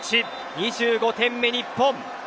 ２５点目、日本。